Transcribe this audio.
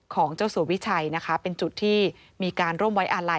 ของเจ้าสัววิชัยนะคะเป็นจุดที่มีการร่วมไว้อาลัย